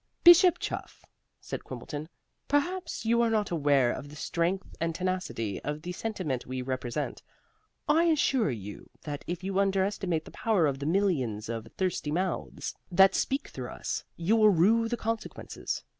"Bishop Chuff," said Quimbleton, "perhaps you are not aware of the strength and tenacity of the sentiment we represent. I assure you that if you underestimate the power of the millions of thirsty mouths that speak through us, you will rue the consequences.